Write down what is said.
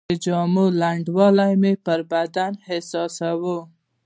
د جامو لوندوالی مې پر بدن احساساوه.